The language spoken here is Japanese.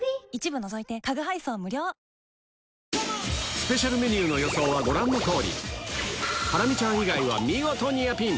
スペシャルメニューの予想はご覧の通りハラミちゃん以外は見事ニアピン！